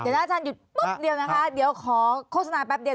เดี๋ยวนะอาจารย์หยุดปุ๊บเดียวนะคะเดี๋ยวขอโฆษณาแป๊บเดียว